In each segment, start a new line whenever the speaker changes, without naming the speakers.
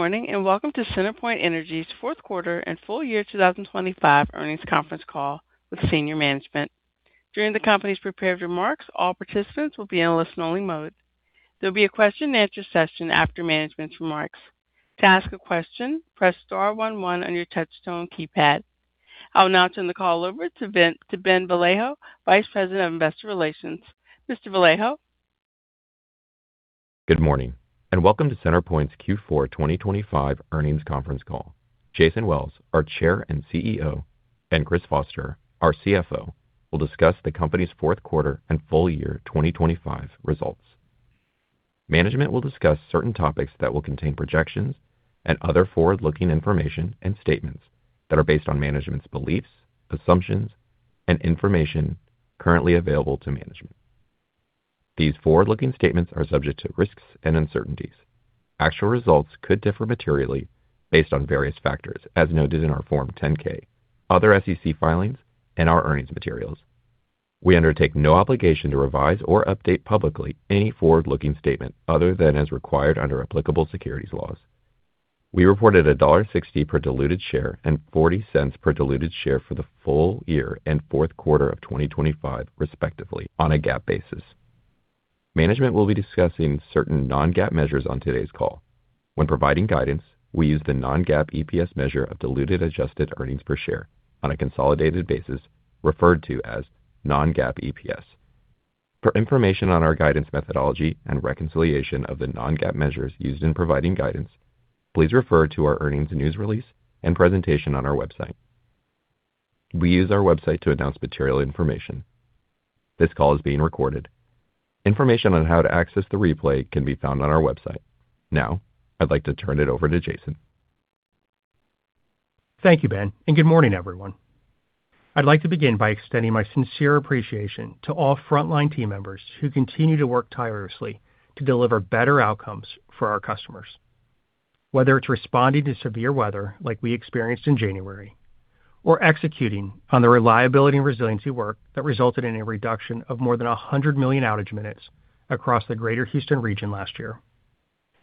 Good morning, and welcome to CenterPoint Energy's Q4 and full year 2025 Earnings Conference Call with senior management. During the company's prepared remarks, all participants will be in a listen-only mode. There'll be a question-and-answer session after management's remarks. To ask a question, press star one one on your touchtone keypad. I'll now turn the call over to Ben Vallejo, Vice President of Investor Relations. Mr. Vallejo?
Good morning, and welcome to CenterPoint's Q4 2025 Earnings Conference Call. Jason Wells, our Chair and CEO, and Chris Foster, our CFO, will discuss the company's Q4 and full year 2025 results. Management will discuss certain topics that will contain projections and other forward-looking information and statements that are based on management's beliefs, assumptions, and information currently available to management. These forward-looking statements are subject to risks and uncertainties. Actual results could differ materially based on various factors, as noted in our Form 10-K, other SEC filings, and our earnings materials. We undertake no obligation to revise or update publicly any forward-looking statement other than as required under applicable securities laws. We reported $1.60 per diluted share and $0.40 per diluted share for the full year and Q4 of 2025, respectively, on a GAAP basis. Management will be discussing certain Non-GAAP measures on today's call. When providing guidance, we use the Non-GAAP EPS measure of diluted adjusted earnings per share on a consolidated basis, referred to as Non-GAAP EPS. For information on our guidance methodology and reconciliation of the Non-GAAP measures used in providing guidance, please refer to our earnings news release and presentation on our website. We use our website to announce material information. This call is being recorded. Information on how to access the replay can be found on our website. Now, I'd like to turn it over to Jason.
Thank you, Ben, and good morning, everyone. I'd like to begin by extending my sincere appreciation to all frontline team members who continue to work tirelessly to deliver better outcomes for our customers. Whether it's responding to severe weather, like we experienced in January, or executing on the reliability and resiliency work that resulted in a reduction of more than 100 million outage minutes across the Greater Houston region last year,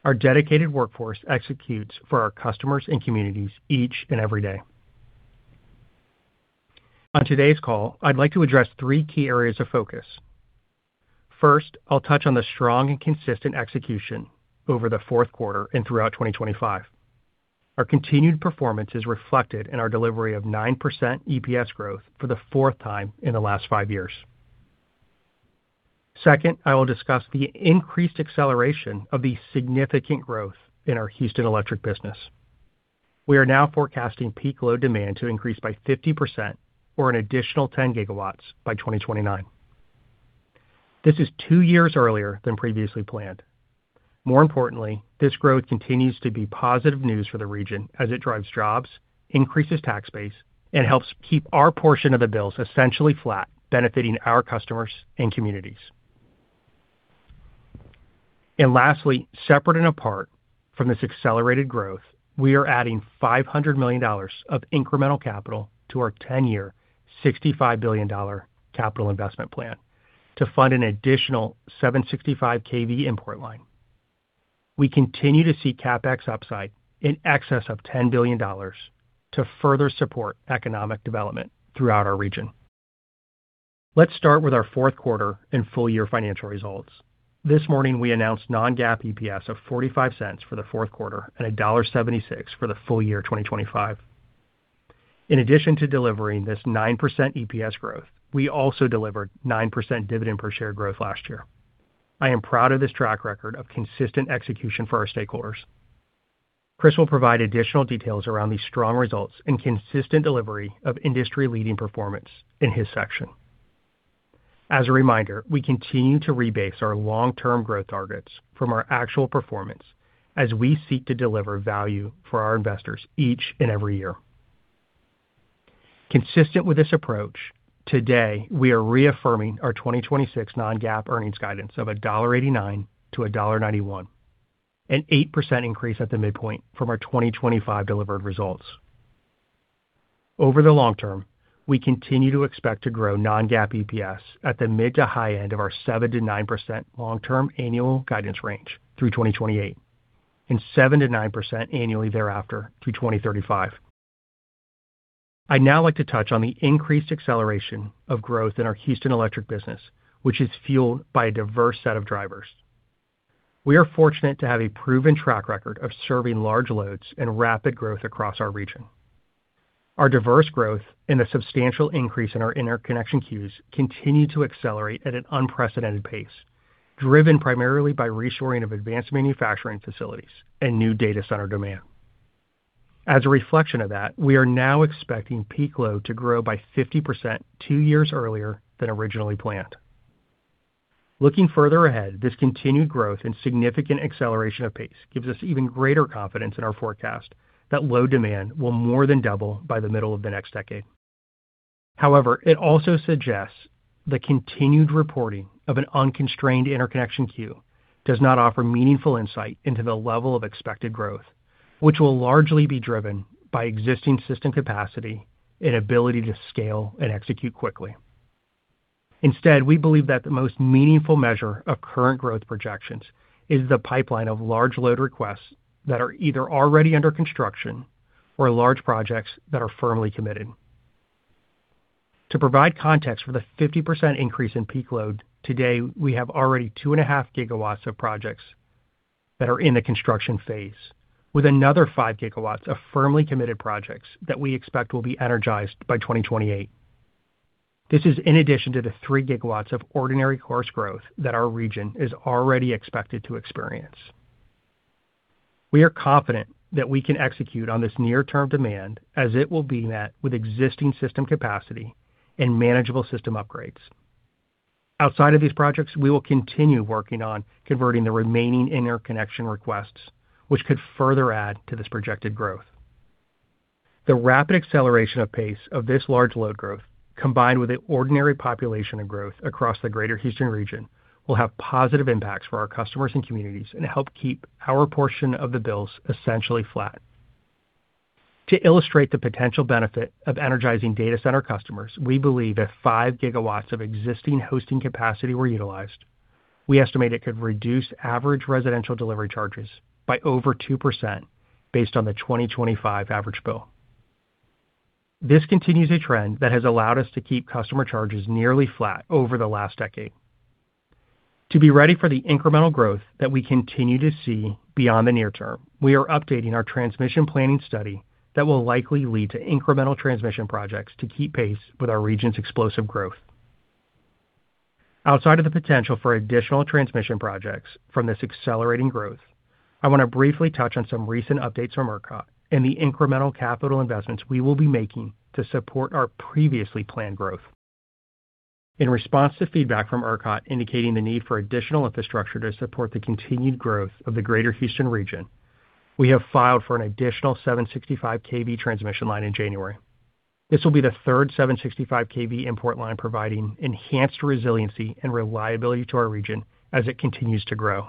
our dedicated workforce executes for our customers and communities each and every day. On today's call, I'd like to address three key areas of focus. First, I'll touch on the strong and consistent execution over the Q4 and throughout 2025. Our continued performance is reflected in our delivery of 9% EPS growth for the fourth time in the last five years. Second, I will discuss the increased acceleration of the significant growth in our Houston Electric business. We are now forecasting peak load demand to increase by 50% or an additional 10 GW by 2029. This is two years earlier than previously planned. More importantly, this growth continues to be positive news for the region as it drives jobs, increases tax base, and helps keep our portion of the bills essentially flat, benefiting our customers and communities. And lastly, separate and apart from this accelerated growth, we are adding $500 million of incremental capital to our 10-year, $65 billion capital investment plan to fund an additional 765 kV import line. We continue to see CapEx upside in excess of $10 billion to further support economic development throughout our region. Let's start with our Q4 and full year financial results. This morning, we announced non-GAAP EPS of $0.45 for the Q4 and $1.76 for the full year 2025. In addition to delivering this 9% EPS growth, we also delivered 9% dividend per share growth last year. I am proud of this track record of consistent execution for our stakeholders. Chris will provide additional details around these strong results and consistent delivery of industry-leading performance in his section. As a reminder, we continue to rebase our long-term growth targets from our actual performance as we seek to deliver value for our investors each and every year. Consistent with this approach, today, we are reaffirming our 2026 non-GAAP earnings guidance of $1.89-$1.91, an 8% increase at the midpoint from our 2025 delivered results. Over the long term, we continue to expect to grow non-GAAP EPS at the mid to high end of our 7%-9% long-term annual guidance range through 2028, and 7%-9% annually thereafter through 2035. I'd now like to touch on the increased acceleration of growth in our Houston Electric business, which is fueled by a diverse set of drivers. We are fortunate to have a proven track record of serving large loads and rapid growth across our region. Our diverse growth and a substantial increase in our interconnection queues continue to accelerate at an unprecedented pace, driven primarily by reshoring of advanced manufacturing facilities and new data center demand. As a reflection of that, we are now expecting peak load to grow by 50%, two years earlier than originally planned. Looking further ahead, this continued growth and significant acceleration of pace gives us even greater confidence in our forecast that load demand will more than double by the middle of the next decade. However, it also suggests the continued reporting of an unconstrained interconnection queue does not offer meaningful insight into the level of expected growth, which will largely be driven by existing system capacity and ability to scale and execute quickly... Instead, we believe that the most meaningful measure of current growth projections is the pipeline of large load requests that are either already under construction or large projects that are firmly committed. To provide context for the 50% increase in peak load, today, we have already 2.5 GW of projects that are in the construction phase, with another 5 GW of firmly committed projects that we expect will be energized by 2028. This is in addition to the 3 GW of ordinary course growth that our region is already expected to experience. We are confident that we can execute on this near-term demand as it will be met with existing system capacity and manageable system upgrades. Outside of these projects, we will continue working on converting the remaining interconnection requests, which could further add to this projected growth. The rapid acceleration of pace of this large load growth, combined with the ordinary population and growth across the Greater Houston region, will have positive impacts for our customers and communities and help keep our portion of the bills essentially flat. To illustrate the potential benefit of energizing data center customers, we believe if 5 GW of existing hosting capacity were utilized, we estimate it could reduce average residential delivery charges by over 2% based on the 2025 average bill. This continues a trend that has allowed us to keep customer charges nearly flat over the last decade. To be ready for the incremental growth that we continue to see beyond the near term, we are updating our transmission planning study that will likely lead to incremental transmission projects to keep pace with our region's explosive growth. Outside of the potential for additional transmission projects from this accelerating growth, I want to briefly touch on some recent updates from ERCOT and the incremental capital investments we will be making to support our previously planned growth. In response to feedback from ERCOT indicating the need for additional infrastructure to support the continued growth of the Greater Houston region, we have filed for an additional 765 kV transmission line in January. This will be the third 765 kV import line, providing enhanced resiliency and reliability to our region as it continues to grow.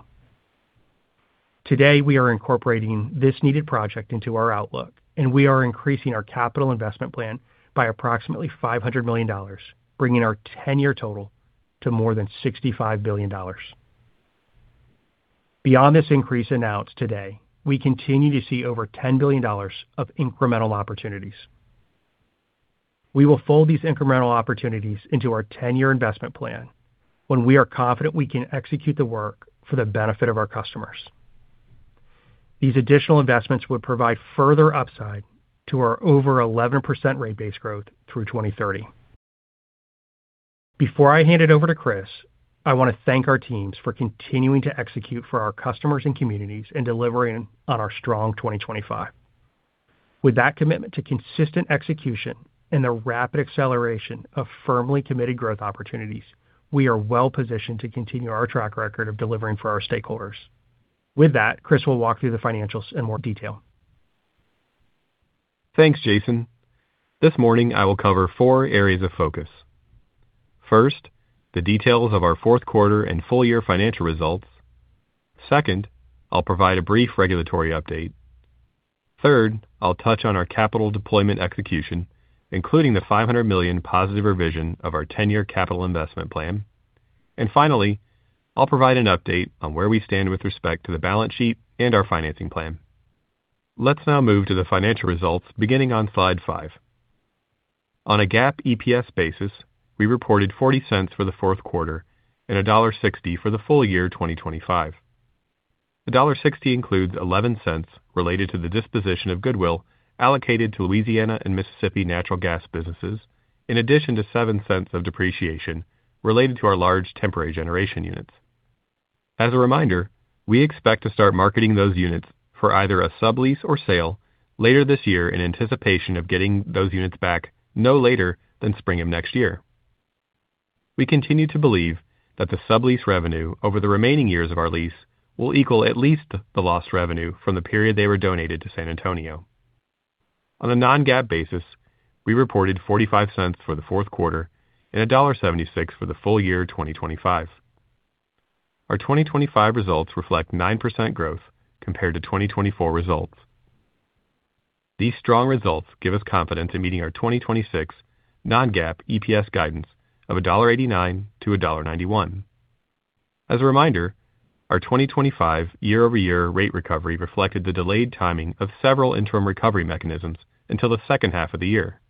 Today, we are incorporating this needed project into our outlook, and we are increasing our capital investment plan by approximately $500 million, bringing our 10-year total to more than $65 billion. Beyond this increase announced today, we continue to see over $10 billion of incremental opportunities. We will fold these incremental opportunities into our 10-year investment plan when we are confident we can execute the work for the benefit of our customers. These additional investments would provide further upside to our over 11% rate base growth through 2030. Before I hand it over to Chris, I want to thank our teams for continuing to execute for our customers and communities and delivering on our strong 2025. With that commitment to consistent execution and the rapid acceleration of firmly committed growth opportunities, we are well positioned to continue our track record of delivering for our stakeholders. With that, Chris will walk through the financials in more detail.
Thanks, Jason. This morning, I will cover four areas of focus. First, the details of our Q4 and full year financial results. Second, I'll provide a brief regulatory update. Third, I'll touch on our capital deployment execution, including the $500 million positive revision of our 10-year capital investment plan. And finally, I'll provide an update on where we stand with respect to the balance sheet and our financing plan. Let's now move to the financial results beginning on slide 5. On a GAAP EPS basis, we reported $0.40 for the Q4 and $1.60 for the full year 2025. The $1.60 includes $0.11 related to the disposition of goodwill allocated to Louisiana and Mississippi natural gas businesses, in addition to $0.07 of depreciation related to our large temporary generation units. As a reminder, we expect to start marketing those units for either a sublease or sale later this year, in anticipation of getting those units back no later than spring of next year. We continue to believe that the sublease revenue over the remaining years of our lease will equal at least the lost revenue from the period they were donated to San Antonio. On a non-GAAP basis, we reported $0.45 for the Q4 and $1.76 for the full year 2025. Our 2025 results reflect 9% growth compared to 2024 results. These strong results give us confidence in meeting our 2026 non-GAAP EPS guidance of $1.89-$1.91. As a reminder, our 2025 year-over-year rate recovery reflected the delayed timing of several interim recovery mechanisms until the second half of the year.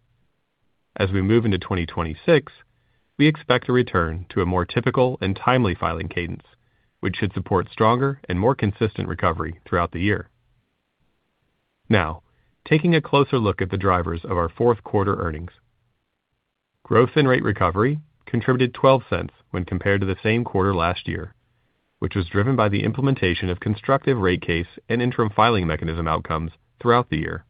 As we move into 2026, we expect a return to a more typical and timely filing cadence, which should support stronger and more consistent recovery throughout the year. Now, taking a closer look at the drivers of our Q4 earnings. Growth and rate recovery contributed $0.12 when compared to the same quarter last year, which was driven by the implementation of constructive rate case and interim filing mechanism outcomes throughout the year.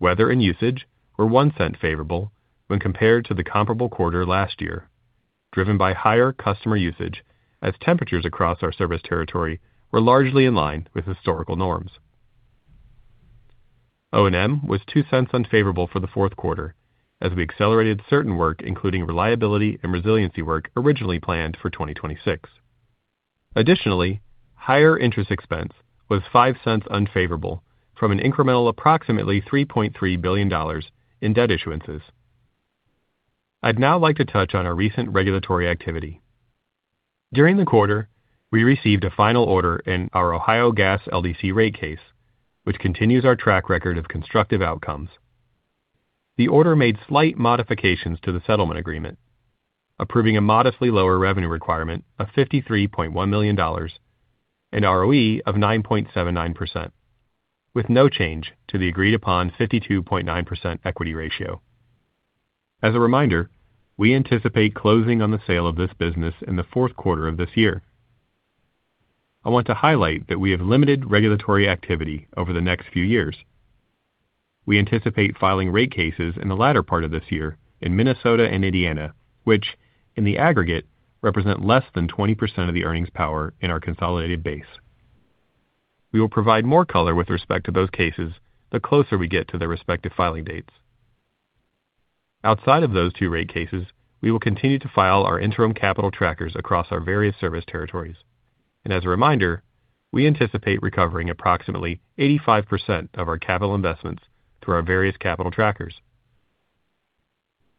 Weather and usage were $0.01 favorable when compared to the comparable quarter last year, driven by higher customer usage as temperatures across our service territory were largely in line with historical norms. O&M was $0.02 unfavorable for the Q4 as we accelerated certain work, including reliability and resiliency work, originally planned for 2026.... Additionally, higher interest expense was $0.05 unfavorable from an incremental approximately $3.3 billion in debt issuances. I'd now like to touch on our recent regulatory activity. During the quarter, we received a final order in our Ohio Gas LDC rate case, which continues our track record of constructive outcomes. The order made slight modifications to the settlement agreement, approving a modestly lower revenue requirement of $53.1 million and ROE of 9.79%, with no change to the agreed-upon 52.9% equity ratio. As a reminder, we anticipate closing on the sale of this business in the Q4 of this year. I want to highlight that we have limited regulatory activity over the next few years. We anticipate filing rate cases in the latter part of this year in Minnesota and Indiana, which, in the aggregate, represent less than 20% of the earnings power in our consolidated base. We will provide more color with respect to those cases the closer we get to their respective filing dates. Outside of those two rate cases, we will continue to file our interim capital trackers across our various service territories, and as a reminder, we anticipate recovering approximately 85% of our capital investments through our various capital trackers.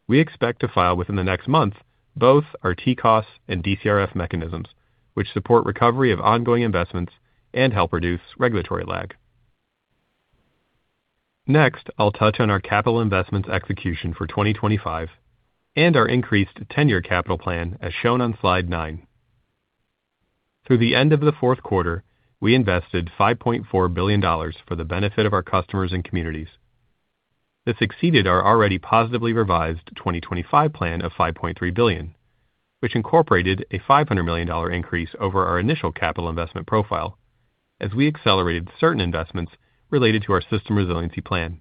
We expect to file within the next month both our TCOS and DCRF mechanisms, which support recovery of ongoing investments and help reduce regulatory lag. Next, I'll touch on our capital investments execution for 2025 and our increased 10-year capital plan, as shown on slide nine. Through the end of the Q4, we invested $5.4 billion for the benefit of our customers and communities. This exceeded our already positively revised 2025 plan of $5.3 billion, which incorporated a $500 million increase over our initial capital investment profile as we accelerated certain investments related to our System Resiliency Plan.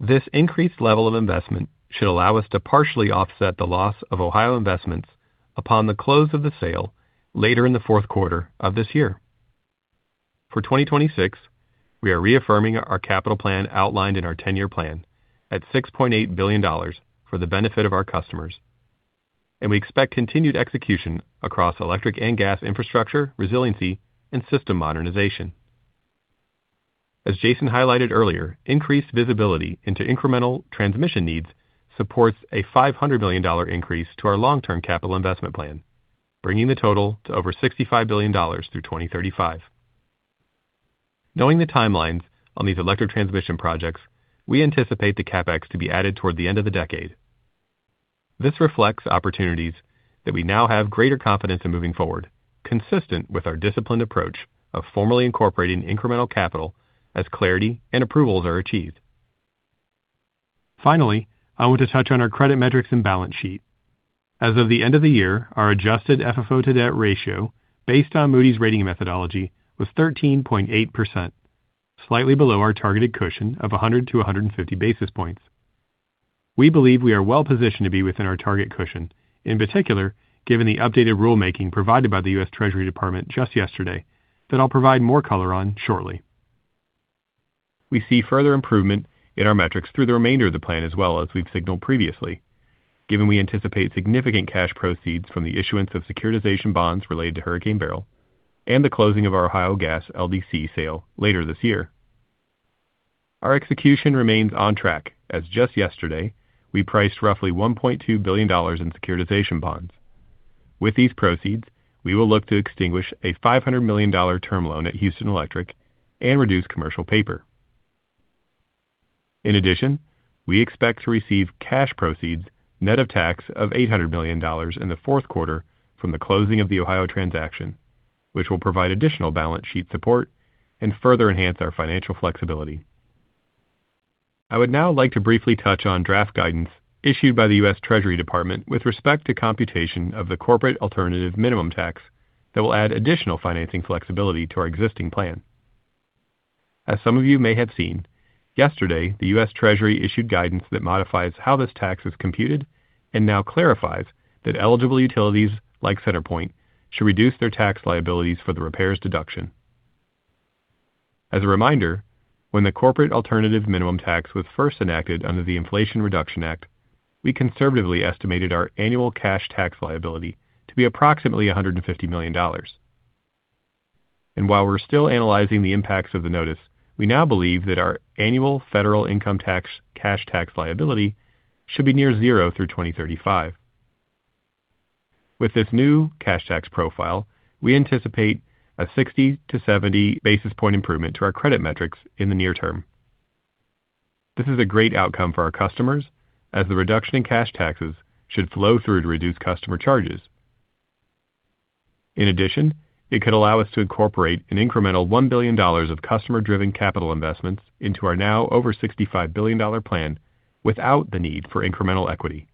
This increased level of investment should allow us to partially offset the loss of Ohio investments upon the close of the sale later in the Q4 of this year. For 2026, we are reaffirming our capital plan outlined in our 10-year plan at $6.8 billion for the benefit of our customers, and we expect continued execution across electric and gas infrastructure, resiliency, and system modernization. As Jason highlighted earlier, increased visibility into incremental transmission needs supports a $500 million increase to our long-term capital investment plan, bringing the total to over $65 billion through 2035. Knowing the timelines on these electric transmission projects, we anticipate the CapEx to be added toward the end of the decade. This reflects opportunities that we now have greater confidence in moving forward, consistent with our disciplined approach of formally incorporating incremental capital as clarity and approvals are achieved. Finally, I want to touch on our credit metrics and balance sheet. As of the end of the year, our adjusted FFO-to-debt ratio, based on Moody's rating methodology, was 13.8%, slightly below our targeted cushion of 100-150 basis points. We believe we are well-positioned to be within our target cushion, in particular, given the updated rulemaking provided by the U.S. Treasury Department just yesterday, that I'll provide more color on shortly. We see further improvement in our metrics through the remainder of the plan as well as we've signaled previously, given we anticipate significant cash proceeds from the issuance of securitization bonds related to Hurricane Beryl and the closing of our Ohio Gas LDC sale later this year. Our execution remains on track, as just yesterday, we priced roughly $1.2 billion in securitization bonds. With these proceeds, we will look to extinguish a $500 million term loan at Houston Electric and reduce commercial paper. In addition, we expect to receive cash proceeds net of tax of $800 million in the Q4 from the closing of the Ohio transaction, which will provide additional balance sheet support and further enhance our financial flexibility. I would now like to briefly touch on draft guidance issued by the U.S. Treasury Department with respect to computation of the corporate alternative minimum tax that will add additional financing flexibility to our existing plan. As some of you may have seen, yesterday, the U.S. Treasury issued guidance that modifies how this tax is computed and now clarifies that eligible utilities like CenterPoint should reduce their tax liabilities for the repairs deduction. As a reminder, when the corporate alternative minimum tax was first enacted under the Inflation Reduction Act, we conservatively estimated our annual cash tax liability to be approximately $150 million. While we're still analyzing the impacts of the notice, we now believe that our annual federal income tax cash tax liability should be near zero through 2035. With this new cash tax profile, we anticipate a 60-70 basis point improvement to our credit metrics in the near term. This is a great outcome for our customers, as the reduction in cash taxes should flow through to reduce customer charges. In addition, it could allow us to incorporate an incremental $1 billion of customer-driven capital investments into our now over $65 billion plan without the need for incremental equity.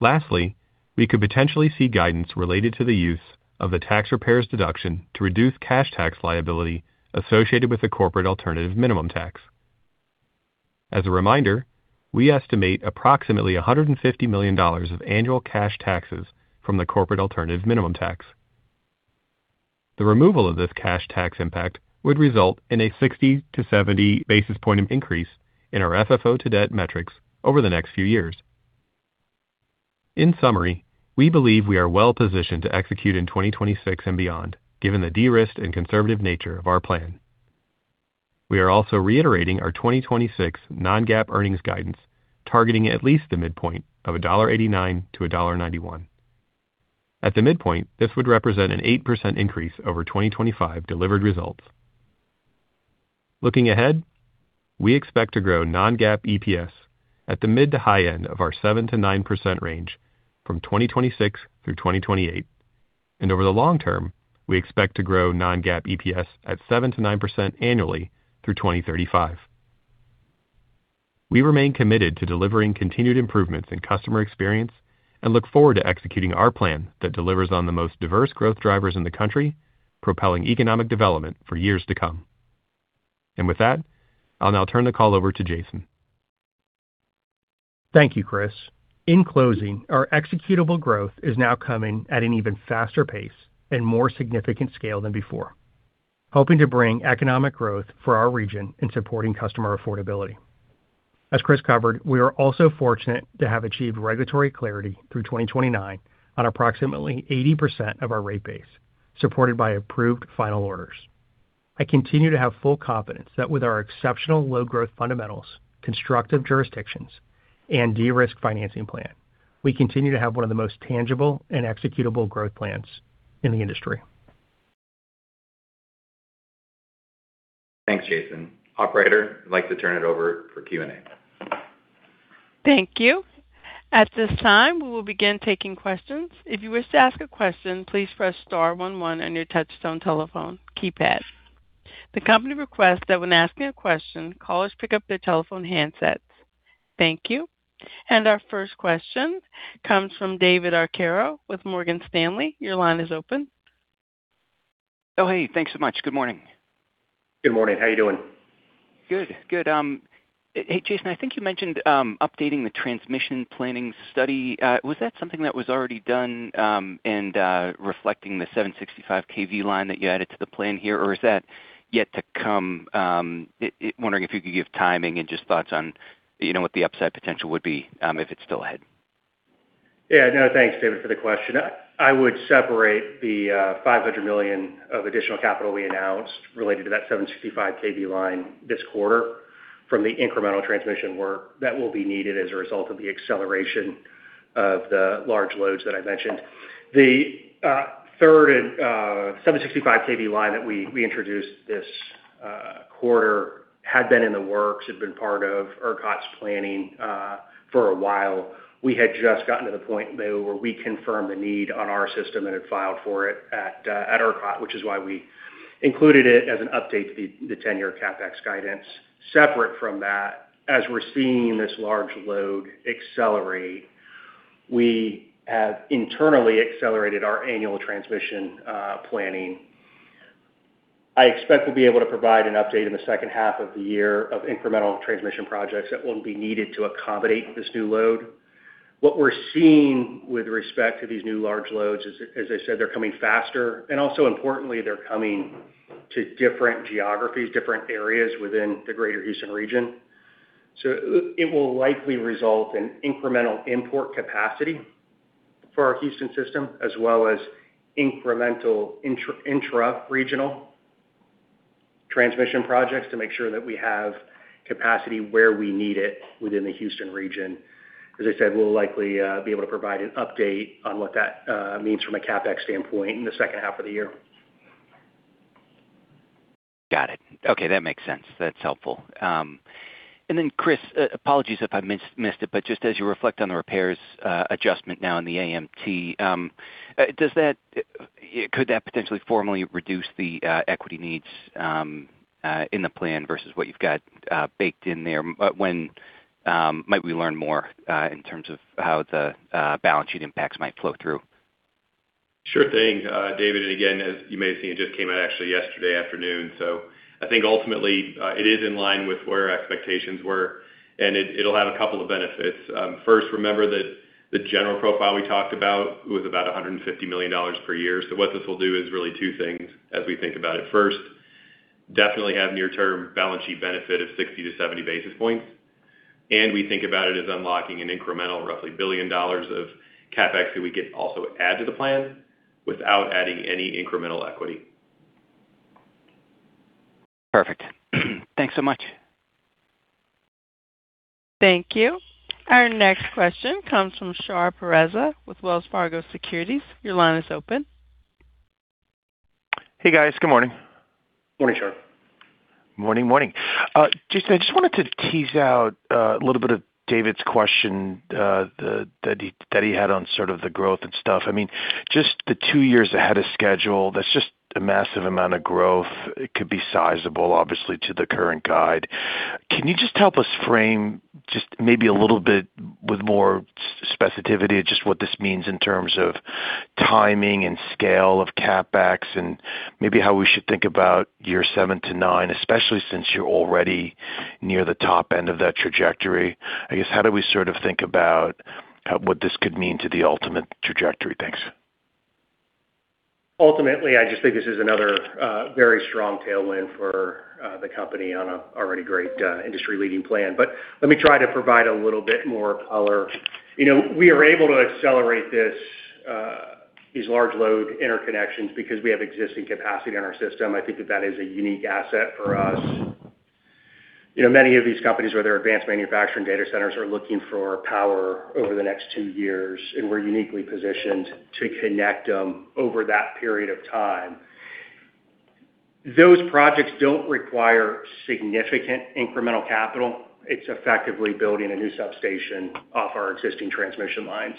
Lastly, we could potentially see guidance related to the use of the repairs deduction to reduce cash tax liability associated with the Corporate Alternative Minimum Tax. As a reminder, we estimate approximately $150 million of annual cash taxes from the corporate alternative minimum tax. The removal of this cash tax impact would result in a 60-70 basis point increase in our FFO-to-debt metrics over the next few years.... In summary, we believe we are well-positioned to execute in 2026 and beyond, given the de-risk and conservative nature of our plan. We are also reiterating our 2026 non-GAAP earnings guidance, targeting at least the midpoint of $1.89-$1.91. At the midpoint, this would represent an 8% increase over 2025 delivered results. Looking ahead, we expect to grow non-GAAP EPS at the mid- to high end of our 7%-9% range from 2026 through 2028, and over the long term, we expect to grow non-GAAP EPS at 7%-9% annually through 2035. We remain committed to delivering continued improvements in customer experience and look forward to executing our plan that delivers on the most diverse growth drivers in the country, propelling economic development for years to come. With that, I'll now turn the call over to Jason.
Thank you, Chris. In closing, our executable growth is now coming at an even faster pace and more significant scale than before, hoping to bring economic growth for our region in supporting customer affordability. As Chris covered, we are also fortunate to have achieved regulatory clarity through 2029 on approximately 80% of our rate base, supported by approved final orders. I continue to have full confidence that with our exceptional low growth fundamentals, constructive jurisdictions, and de-risk financing plan, we continue to have one of the most tangible and executable growth plans in the industry.
Thanks, Jason. Operator, I'd like to turn it over for Q&A.
Thank you. At this time, we will begin taking questions. If you wish to ask a question, please press star one one on your touchtone telephone keypad. The company requests that when asking a question, callers pick up their telephone handsets. Thank you. Our first question comes from David Arcaro with Morgan Stanley. Your line is open.
Oh, hey, thanks so much. Good morning.
Good morning. How are you doing?
Good, good. Hey, Jason, I think you mentioned updating the transmission planning study. Was that something that was already done, and reflecting the 765 kV line that you added to the plan here, or is that yet to come? Wondering if you could give timing and just thoughts on, you know, what the upside potential would be, if it's still ahead.
Yeah. No, thanks, David, for the question. I, I would separate the $500 million of additional capital we announced related to that 765 kV line this quarter from the incremental transmission work that will be needed as a result of the acceleration of the large loads that I mentioned. The third 765 kV line that we introduced this quarter had been in the works, had been part of ERCOT's planning for a while. We had just gotten to the point, though, where we confirmed the need on our system and had filed for it at ERCOT, which is why we included it as an update to the 10-year CapEx guidance. Separate from that, as we're seeing this large load accelerate, we have internally accelerated our annual transmission planning. I expect we'll be able to provide an update in the second half of the year of incremental transmission projects that will be needed to accommodate this new load. What we're seeing with respect to these new large loads is, as I said, they're coming faster, and also importantly, they're coming to different geographies, different areas within the Greater Houston region. So it will likely result in incremental import capacity for our Houston system, as well as incremental intra-regional transmission projects to make sure that we have capacity where we need it within the Houston region. As I said, we'll likely be able to provide an update on what that means from a CapEx standpoint in the second half of the year.
Got it. Okay, that makes sense. That's helpful. And then, Chris, apologies if I missed it, but just as you reflect on the repairs adjustment now in the AMT, does that—could that potentially formally reduce the equity needs in the plan versus what you've got baked in there? But when might we learn more in terms of how the balance sheet impacts might flow through?
Sure thing, David. Again, as you may have seen, it just came out actually yesterday afternoon. So I think ultimately, it is in line with where our expectations were, and it, it'll have a couple of benefits. First, remember that the general profile we talked about was about $150 million per year. So what this will do is really two things as we think about it. First, definitely have near-term balance sheet benefit of 60-70 basis points, and we think about it as unlocking an incremental, roughly $1 billion of CapEx that we could also add to the plan without adding any incremental equity.
Perfect. Thanks so much.
Thank you. Our next question comes from Shar Pourreza with Wells Fargo Securities. Your line is open.
Hey, guys. Good morning.
Morning, Shar.
Morning, morning. Jason, I just wanted to tease out a little bit of David's question that he had on sort of the growth and stuff. I mean, just the two years ahead of schedule, that's just a massive amount of growth. It could be sizable, obviously, to the current guide. Can you just help us frame just maybe a little bit with more specificity, just what this means in terms of timing and scale of CapEx and maybe how we should think about year seven to nine, especially since you're already near the top end of that trajectory? I guess, how do we sort of think about what this could mean to the ultimate trajectory? Thanks....
Ultimately, I just think this is another very strong tailwind for the company on a already great industry-leading plan. But let me try to provide a little bit more color. You know, we are able to accelerate this, these large load interconnections because we have existing capacity in our system. I think that that is a unique asset for us. You know, many of these companies, whether advanced manufacturing data centers, are looking for power over the next two years, and we're uniquely positioned to connect them over that period of time. Those projects don't require significant incremental capital. It's effectively building a new substation off our existing transmission lines.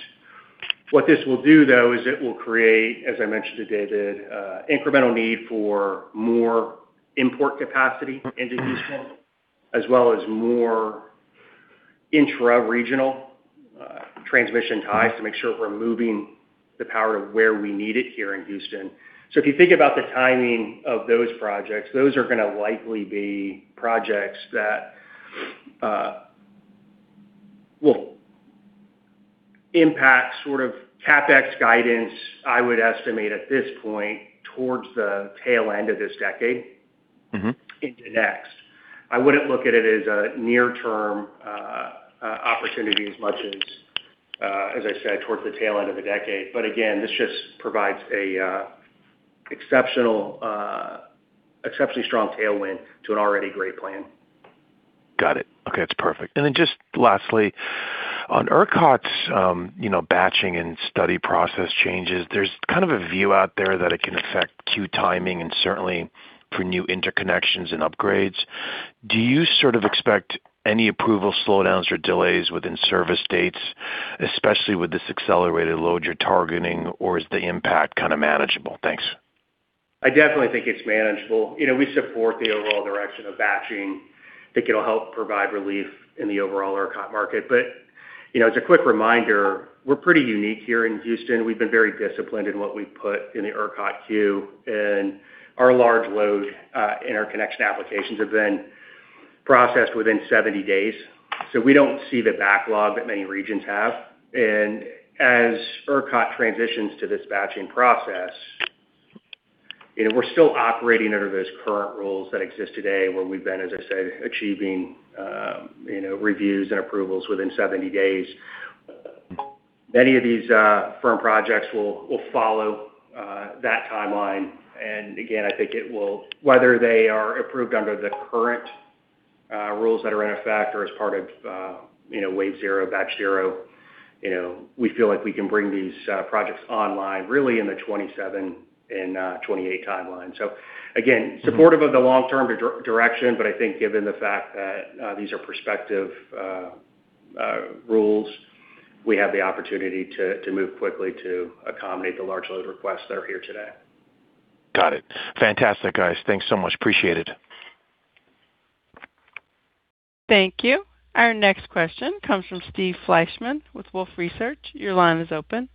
What this will do, though, is it will create, as I mentioned today, the incremental need for more import capacity into Houston, as well as more intra-regional transmission ties to make sure we're moving the power to where we need it here in Houston. So if you think about the timing of those projects, those are going to likely be projects that will impact sort of CapEx guidance, I would estimate at this point, towards the tail end of this decade-
Mm-hmm.
into the next. I wouldn't look at it as a near-term opportunity, as much as, as I said, towards the tail end of the decade. But again, this just provides a exceptional, exceptionally strong tailwind to an already great plan.
Got it. Okay, that's perfect. And then just lastly, on ERCOT's, you know, batching and study process changes, there's kind of a view out there that it can affect queue timing and certainly for new interconnections and upgrades. Do you sort of expect any approval slowdowns or delays within service dates, especially with this accelerated load you're targeting, or is the impact kind of manageable? Thanks.
I definitely think it's manageable. You know, we support the overall direction of batching. Think it'll help provide relief in the overall ERCOT market. But, you know, as a quick reminder, we're pretty unique here in Houston. We've been very disciplined in what we've put in the ERCOT queue, and our large load in our connection applications have been processed within 70 days. So we don't see the backlog that many regions have. And as ERCOT transitions to this batching process, you know, we're still operating under those current rules that exist today, where we've been, as I said, achieving you know reviews and approvals within 70 days. Many of these firm projects will follow that timeline. And again, I think it will—whether they are approved under the current rules that are in effect or as part of, you know, Wave Zero, Batch Zero, you know, we feel like we can bring these projects online really in the 2027 and 2028 timeline. So again, supportive of the long-term direction, but I think given the fact that these are prospective rules, we have the opportunity to move quickly to accommodate the large load requests that are here today.
Got it. Fantastic, guys. Thanks so much. Appreciate it.
Thank you. Our next question comes from Steve Fleischmann with Wolfe Research. Your line is open.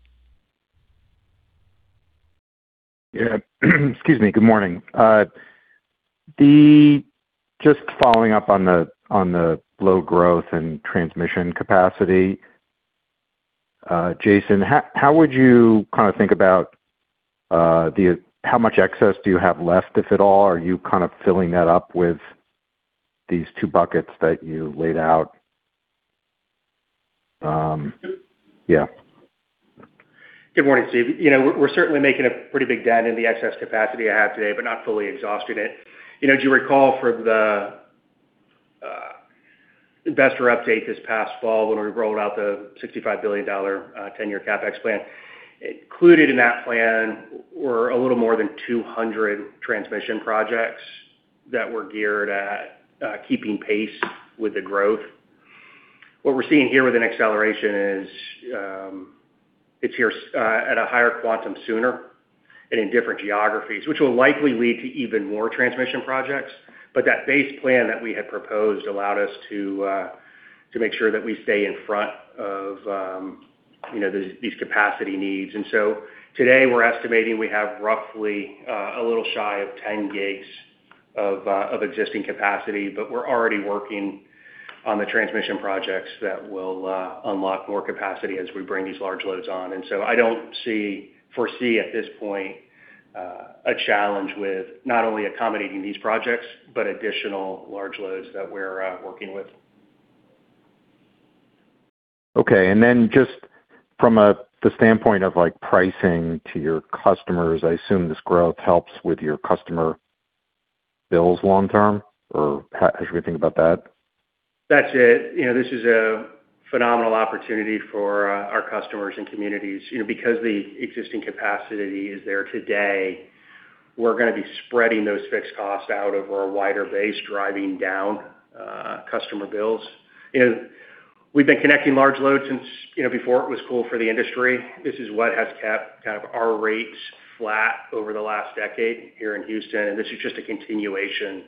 Yeah. Excuse me. Good morning. Just following up on the low growth and transmission capacity, Jason, how would you kind of think about how much excess do you have left, if at all? Are you kind of filling that up with these two buckets that you laid out? Yeah.
Good morning, Steve. You know, we're certainly making a pretty big dent in the excess capacity I have today, but not fully exhausted it. You know, do you recall from the investor update this past fall when we rolled out the $65 billion 10-year CapEx plan? Included in that plan were a little more than 200 transmission projects that were geared at keeping pace with the growth. What we're seeing here with an acceleration is it's here at a higher quantum sooner and in different geographies, which will likely lead to even more transmission projects. But that base plan that we had proposed allowed us to to make sure that we stay in front of you know these capacity needs. And so today, we're estimating we have roughly, a little shy of 10 GW of of existing capacity, but we're already working on the transmission projects that will, unlock more capacity as we bring these large loads on. And so I don't foresee at this point, a challenge with not only accommodating these projects, but additional large loads that we're, working with.
Okay, and then just from the standpoint of, like, pricing to your customers, I assume this growth helps with your customer bills long term, or how should we think about that?
That's it. You know, this is a phenomenal opportunity for our customers and communities. You know, because the existing capacity is there today, we're going to be spreading those fixed costs out over a wider base, driving down customer bills. You know, we've been connecting large loads since, you know, before it was cool for the industry. This is what has kept kind of our rates flat over the last decade here in Houston, and this is just a continuation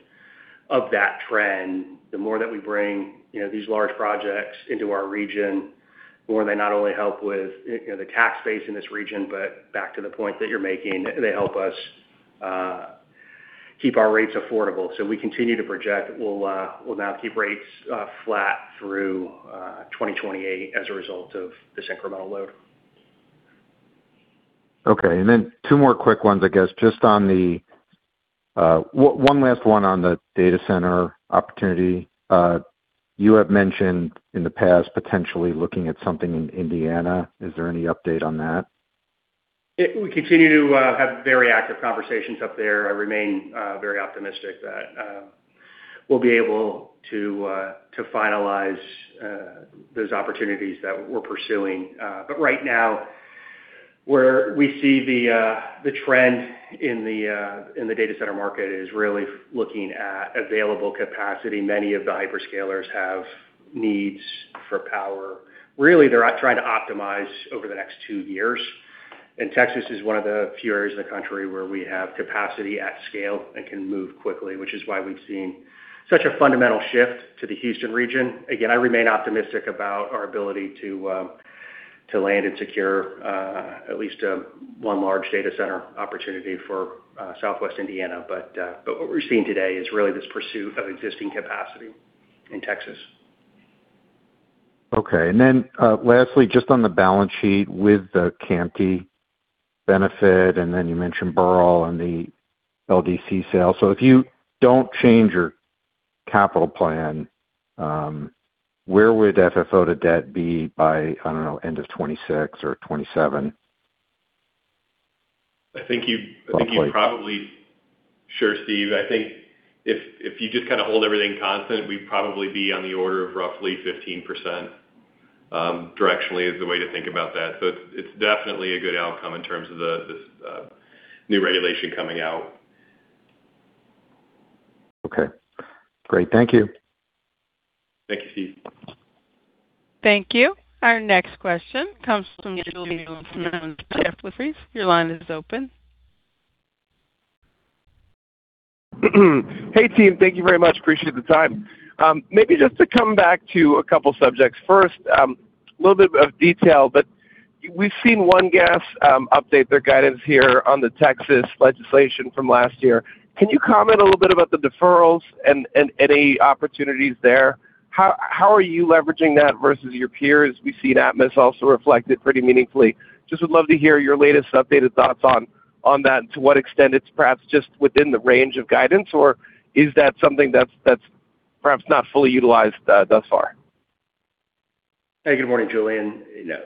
of that trend. The more that we bring, you know, these large projects into our region, the more they not only help with, you know, the tax base in this region, but back to the point that you're making, they help us keep our rates affordable. So we continue to project, we'll now keep rates flat through 2028 as a result of this incremental load.
Okay. And then two more quick ones, I guess, just on the, one last one on the data center opportunity. You have mentioned in the past, potentially looking at something in Indiana. Is there any update on that?
We continue to have very active conversations up there. I remain very optimistic that we'll be able to finalize those opportunities that we're pursuing. But right now, where we see the trend in the data center market is really looking at available capacity. Many of the hyperscalers have needs for power. Really, they're trying to optimize over the next two years, and Texas is one of the few areas in the country where we have capacity at scale and can move quickly, which is why we've seen such a fundamental shift to the Houston region. Again, I remain optimistic about our ability to land and secure at least one large data center opportunity for Southwest Indiana. But what we're seeing today is really this pursuit of existing capacity in Texas.
Okay. And then, lastly, just on the balance sheet with the CAMT benefit, and then you mentioned Beryl and the LDC sale. So if you don't change your capital plan, where would FFO-to-debt be by, I don't know, end of 2026 or 2027?
I think you'd-
Roughly.
I think you'd probably... Sure, Steve. I think if you just kind of hold everything constant, we'd probably be on the order of roughly 15%, directionally, is the way to think about that. So it's definitely a good outcome in terms of this new regulation coming out.
Okay, great. Thank you.
Thank you, Steve.
Thank you. Our next question comes from Julian Dumoulin-Smith from Jefferies. Your line is open.
Hey, team, thank you very much. Appreciate the time. Maybe just to come back to a couple subjects. First, a little bit of detail, but we've seen ONE Gas update their guidance here on the Texas legislation from last year. Can you comment a little bit about the deferrals and any opportunities there? How are you leveraging that versus your peers? We see Atmos also reflected pretty meaningfully. Just would love to hear your latest updated thoughts on that, and to what extent it's perhaps just within the range of guidance, or is that something that's perhaps not fully utilized thus far?
Hey, good morning, Julian. You know,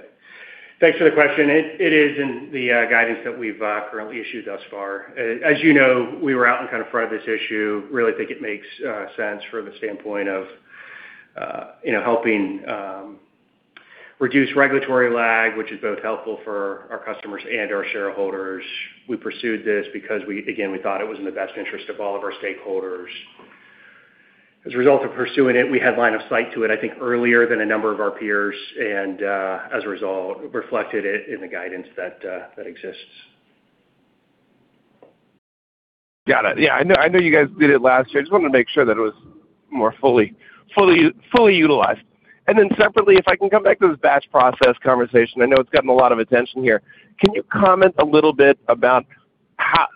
thanks for the question. It is in the guidance that we've currently issued thus far. As you know, we were out in kind of front of this issue. Really think it makes sense from the standpoint of you know, helping reduce regulatory lag, which is both helpful for our customers and our shareholders. We pursued this because we, again, we thought it was in the best interest of all of our stakeholders. As a result of pursuing it, we had line of sight to it, I think, earlier than a number of our peers, and as a result, reflected it in the guidance that exists.
Got it. Yeah, I know, I know you guys did it last year. I just wanted to make sure that it was more fully utilized. And then separately, if I can come back to this batch process conversation, I know it's gotten a lot of attention here. Can you comment a little bit about how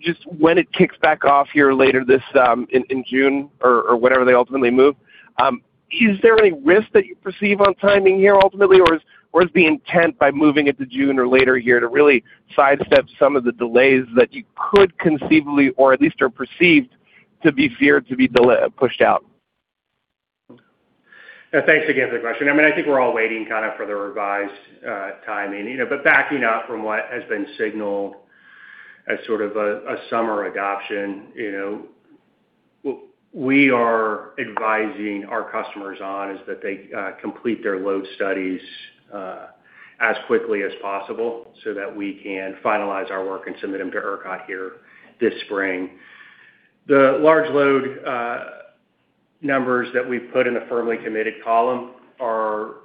just when it kicks back off here later this in June or whenever they ultimately move? Is there any risk that you perceive on timing here ultimately, or is the intent by moving it to June or later here to really sidestep some of the delays that you could conceivably, or at least are perceived, to be feared to be delayed pushed out?
Yeah. Thanks again for the question. I mean, I think we're all waiting kind of for the revised timing. You know, but backing up from what has been signaled as sort of a summer adoption, you know, we are advising our customers on is that they complete their load studies as quickly as possible, so that we can finalize our work and submit them to ERCOT here this spring. The large load numbers that we've put in the firmly committed column are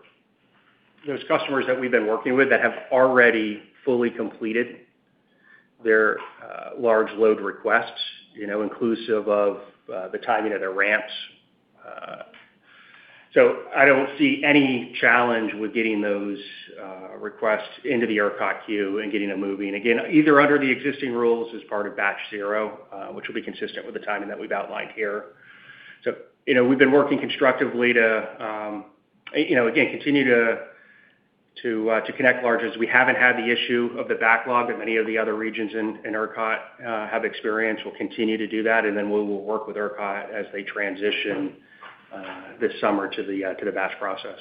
those customers that we've been working with that have already fully completed their large load requests, you know, inclusive of the timing of their ramps. So I don't see any challenge with getting those requests into the ERCOT queue and getting them moving. Again, either under the existing rules as part of batch zero, which will be consistent with the timing that we've outlined here. So, you know, we've been working constructively to, you know, again, continue to connect largers. We haven't had the issue of the backlog that many of the other regions in ERCOT have experienced. We'll continue to do that, and then we will work with ERCOT as they transition this summer to the batch process.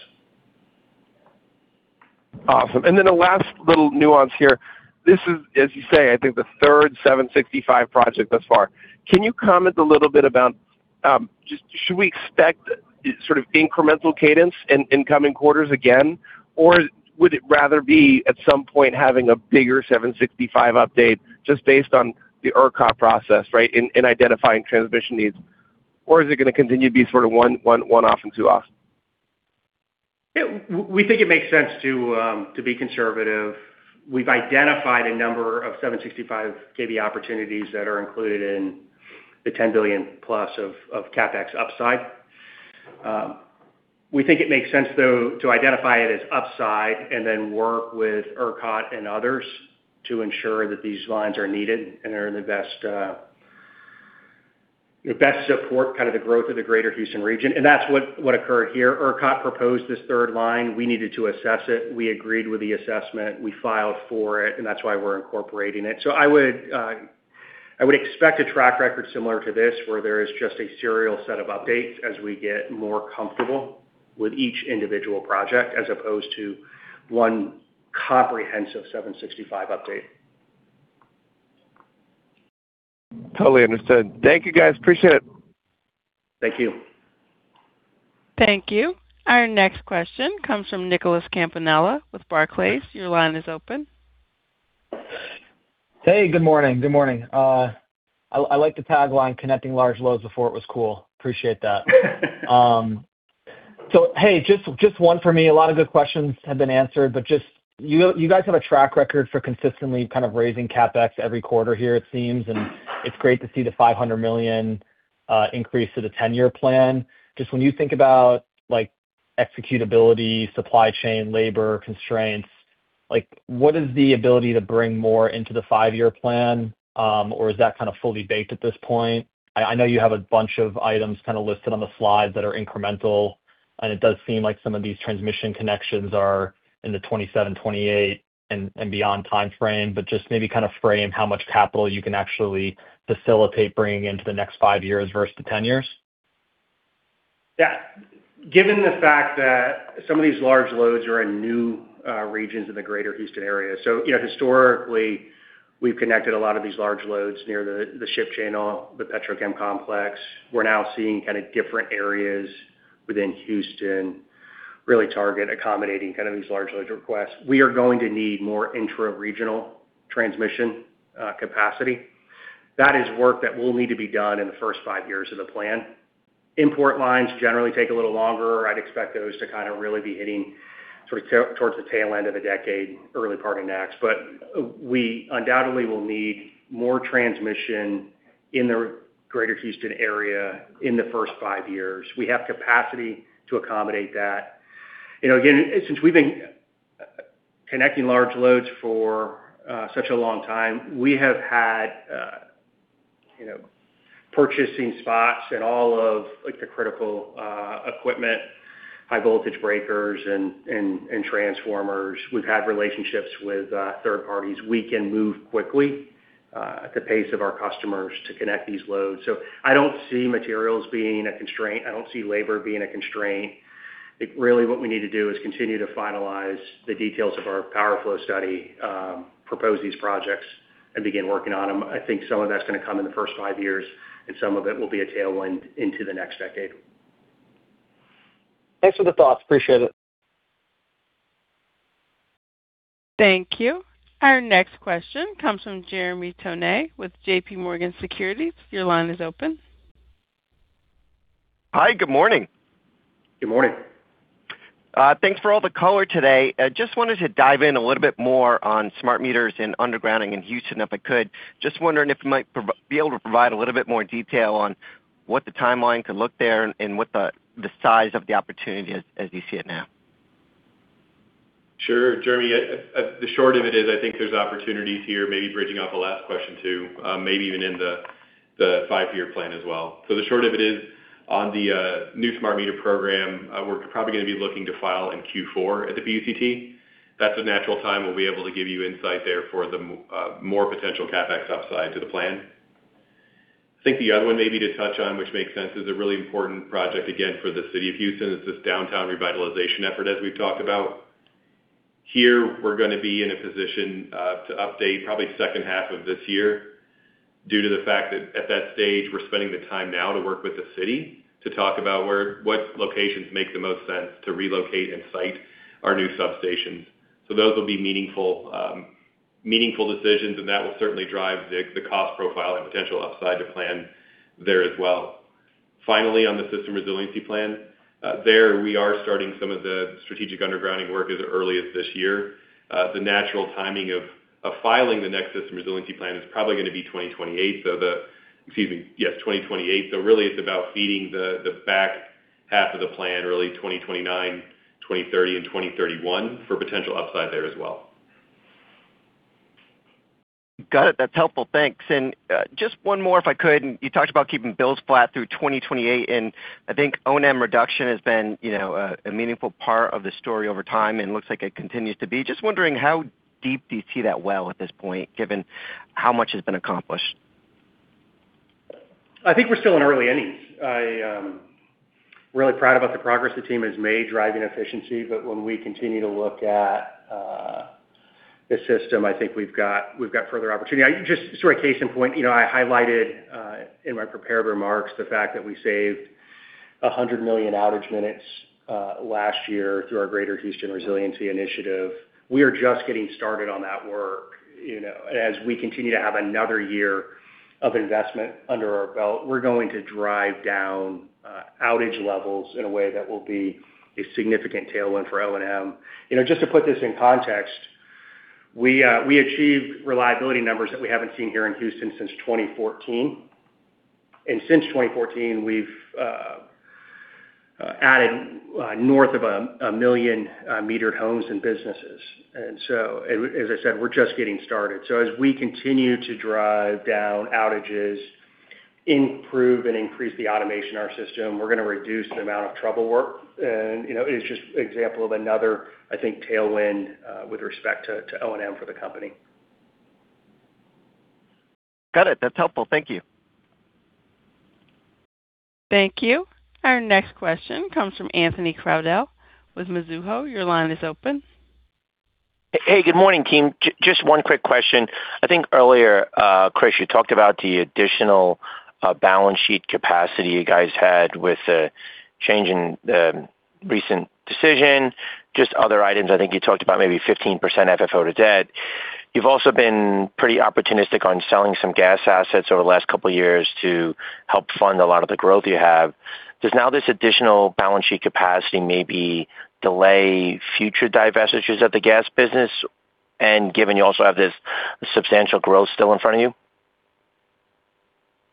Awesome. And then the last little nuance here. This is, as you say, I think the third 765 project thus far. Can you comment a little bit about just should we expect sort of incremental cadence in coming quarters again? Or would it rather be, at some point, having a bigger 765 update, just based on the ERCOT process, right, in identifying transmission needs? Or is it gonna continue to be sort of one-off and two-off?
Yeah, we think it makes sense to be conservative. We've identified a number of 765 kV opportunities that are included in the $10 billion plus of CapEx upside. We think it makes sense, though, to identify it as upside and then work with ERCOT and others to ensure that these lines are needed and are in the best support, kind of the growth of the Greater Houston region. And that's what occurred here. ERCOT proposed this third line. We needed to assess it. We agreed with the assessment. We filed for it, and that's why we're incorporating it. So I would expect a track record similar to this, where there is just a serial set of updates as we get more comfortable with each individual project, as opposed to one comprehensive 765 update.
Totally understood. Thank you, guys. Appreciate it.
Thank you.
Thank you. Our next question comes from Nicholas Campanella with Barclays. Your line is open.
Hey, good morning. Good morning. I like the tagline, "Connecting large loads before it was cool." Appreciate that. So, hey, just one for me. A lot of good questions have been answered, but just, you guys have a track record for consistently kind of raising CapEx every quarter here, it seems, and it's great to see the $500 million increase to the 10-year plan. Just when you think about, like, executability, supply chain, labor constraints, like, what is the ability to bring more into the five-year plan, or is that kind of fully baked at this point? I know you have a bunch of items kind of listed on the slides that are incremental, and it does seem like some of these transmission connections are in the 27, 28 and beyond timeframe, but just maybe kind of frame how much capital you can actually facilitate bringing into the next five years versus the 10 years.
Yeah. Given the fact that some of these large loads are in new regions in the Greater Houston area. So, you know, historically, we've connected a lot of these large loads near the Ship Channel, the Petrochem complex. We're now seeing kind of different areas within Houston really target accommodating kind of these large load requests. We are going to need more intra-regional transmission capacity. That is work that will need to be done in the first five years of the plan. Import lines generally take a little longer. I'd expect those to kind of really be hitting sort of towards the tail end of the decade, early part of next. But we undoubtedly will need more transmission in the Greater Houston area in the first five years. We have capacity to accommodate that. You know, again, since we've been connecting large loads for such a long time, we have had you know purchasing spots and all of like the critical equipment, high voltage breakers and transformers. We've had relationships with third parties. We can move quickly at the pace of our customers to connect these loads. So I don't see materials being a constraint. I don't see labor being a constraint. I think really what we need to do is continue to finalize the details of our power flow study, propose these projects and begin working on them. I think some of that's going to come in the first five years, and some of it will be a tailwind into the next decade.
Thanks for the thoughts. Appreciate it.
Thank you. Our next question comes from Jeremy Tonet with JP Morgan Securities. Your line is open.
Hi, good morning.
Good morning.
Thanks for all the color today. I just wanted to dive in a little bit more on smart meters and undergrounding in Houston, if I could. Just wondering if you might be able to provide a little bit more detail on what the timeline could look there and what the size of the opportunity as you see it now?
Sure, Jeremy. The short of it is, I think there's opportunities here, maybe bridging off the last question, too, maybe even in the five-year plan as well. So the short of it is, on the new smart meter program, we're probably going to be looking to file in Q4 at the PUCT. That's a natural time we'll be able to give you insight there for the more potential CapEx upside to the plan. I think the other one maybe to touch on, which makes sense, is a really important project, again, for the city of Houston. It's this downtown revitalization effort, as we've talked about. Here, we're going to be in a position to update probably second half of this year due to the fact that at that stage, we're spending the time now to work with the city to talk about what locations make the most sense to relocate and site our new substations. So those will be meaningful decisions, and that will certainly drive the cost profile and potential upside to plan there as well. Finally, on the system resiliency plan, there, we are starting some of the strategic undergrounding work as early as this year. The natural timing of filing the next system resiliency plan is probably going to be 2028, so the... Excuse me. Yes, 2028. So really, it's about feeding the back half of the plan, early 2029, 2030 and 2031 for potential upside there as well.
Got it. That's helpful. Thanks. And just one more, if I could. You talked about keeping bills flat through 2028, and I think O&M reduction has been, you know, a meaningful part of the story over time, and looks like it continues to be. Just wondering, how deep do you see that well at this point, given how much has been accomplished?
I think we're still in early innings. I really proud about the progress the team has made driving efficiency, but when we continue to look at the system, I think we've got further opportunity. Just sort of case in point, you know, I highlighted in my prepared remarks the fact that we saved 100 million outage minutes last year through our Greater Houston Resiliency Initiative. We are just getting started on that work. You know, as we continue to have another year of investment under our belt, we're going to drive down outage levels in a way that will be a significant tailwind for O&M. You know, just to put this in context. We achieved reliability numbers that we haven't seen here in Houston since 2014. Since 2014, we've added north of 1 million metered homes and businesses. And so, as I said, we're just getting started. So as we continue to drive down outages, improve and increase the automation in our system, we're gonna reduce the amount of trouble work. And, you know, it is just an example of another, I think, tailwind with respect to O&M for the company.
Got it. That's helpful. Thank you.
Thank you. Our next question comes from Anthony Crowdell with Mizuho. Your line is open.
Hey, good morning, team. Just one quick question. I think earlier, Chris, you talked about the additional balance sheet capacity you guys had with the change in recent decision, just other items. I think you talked about maybe 15% FFO-to-debt. You've also been pretty opportunistic on selling some gas assets over the last couple of years to help fund a lot of the growth you have. Does now this additional balance sheet capacity maybe delay future divestitures of the gas business, and given you also have this substantial growth still in front of you?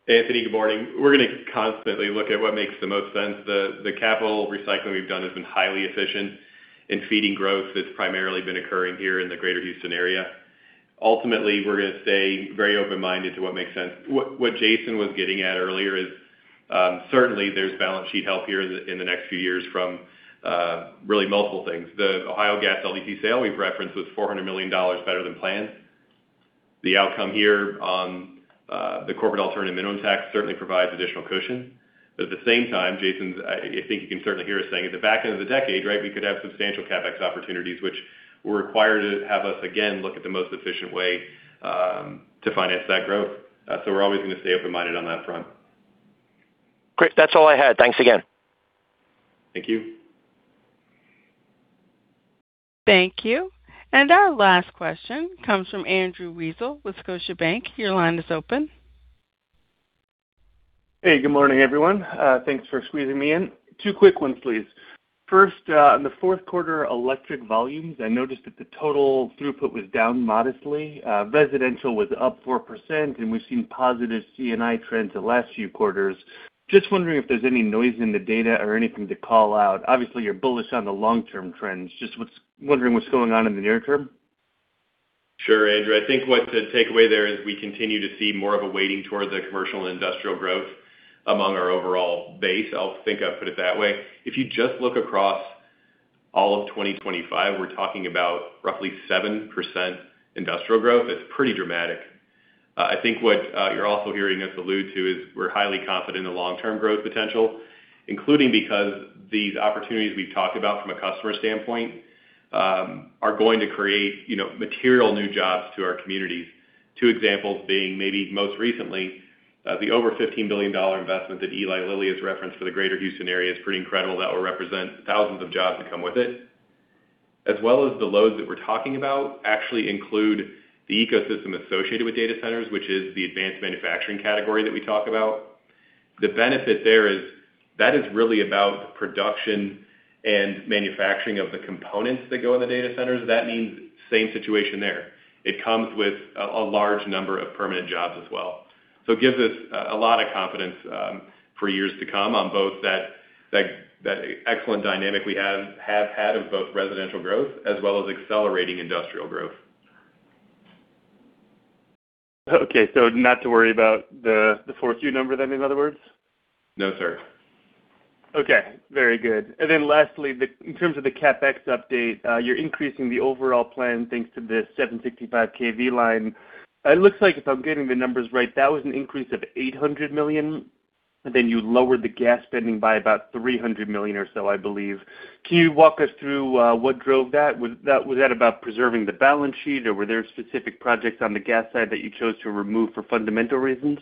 Anthony, good morning. We're gonna constantly look at what makes the most sense. The capital recycling we've done has been highly efficient in feeding growth that's primarily been occurring here in the Greater Houston area. Ultimately, we're gonna stay very open-minded to what makes sense. What Jason was getting at earlier is certainly there's balance sheet health here in the next few years from really multiple things. The Ohio gas LDC sale we've referenced was $400 million better than planned. The outcome here on the Corporate Alternative Minimum Tax certainly provides additional cushion, but at the same time, Jason, I think you can certainly hear us saying, at the back end of the decade, right, we could have substantial CapEx opportunities, which will require to have us again look at the most efficient way to finance that growth. So we're always gonna stay open-minded on that front.
Great. That's all I had. Thanks again.
Thank you.
Thank you. And our last question comes from Andrew Weisel with Scotiabank. Your line is open.
Hey, good morning, everyone. Thanks for squeezing me in. Two quick ones, please. First, in the Q4 electric volumes, I noticed that the total throughput was down modestly. Residential was up 4%, and we've seen positive C&I trends the last few quarters. Just wondering if there's any noise in the data or anything to call out? Obviously, you're bullish on the long-term trends, just what's--wondering what's going on in the near term.
Sure, Andrew. I think what the takeaway there is, we continue to see more of a weighting toward the commercial and industrial growth among our overall base. I'll think I'd put it that way. If you just look across all of 2025, we're talking about roughly 7% industrial growth. It's pretty dramatic. I think what you're also hearing us allude to is we're highly confident in the long-term growth potential, including because these opportunities we've talked about from a customer standpoint, are going to create, you know, material new jobs to our communities. Two examples being, maybe most recently, the over $15 billion investment that Eli Lilly has referenced for the Greater Houston area is pretty incredible. That will represent thousands of jobs that come with it, as well as the loads that we're talking about actually include the ecosystem associated with data centers, which is the advanced manufacturing category that we talk about. The benefit there is, that is really about production and manufacturing of the components that go in the data centers. That means same situation there. It comes with a large number of permanent jobs as well. So it gives us a lot of confidence for years to come on both that excellent dynamic we have had of both residential growth as well as accelerating industrial growth.
Okay, so not to worry about the 4Q number then, in other words?
No, sir.
Okay, very good. Then lastly, in terms of the CapEx update, you're increasing the overall plan thanks to the 765 kV line. It looks like, if I'm getting the numbers right, that was an increase of $800 million, and then you lowered the gas spending by about $300 million or so, I believe. Can you walk us through what drove that? Was that about preserving the balance sheet, or were there specific projects on the gas side that you chose to remove for fundamental reasons?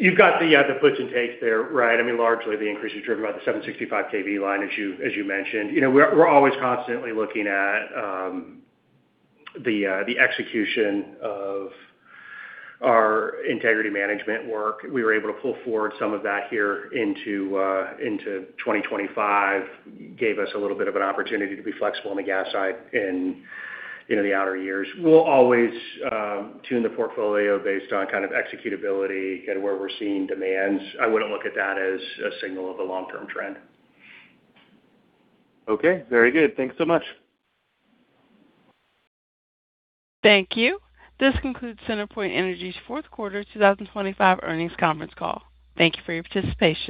You've got the puts and takes there, right? I mean, largely the increase is driven by the 765 kV line, as you, as you mentioned. You know, we're, we're always constantly looking at the execution of our integrity management work. We were able to pull forward some of that here into 2025. Gave us a little bit of an opportunity to be flexible on the gas side in, you know, the outer years. We'll always tune the portfolio based on kind of executability and where we're seeing demands. I wouldn't look at that as a signal of a long-term trend.
Okay, very good. Thanks so much.
Thank you. This concludes CenterPoint Energy's Q4 2025 Earnings Conference Call. Thank you for your participation.